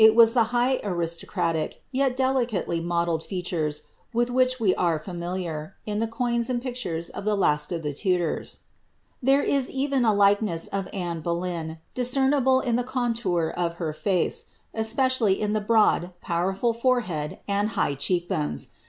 It has the high aristocratic, yet delicately modelleil fea tures, with which we are familiar, in the coins and pictures of the last of the Tudors. There is even a likeness of Anne Boleyn, discernible in the contour of the face, especially in the broad, powerful forehead and high cheek bones.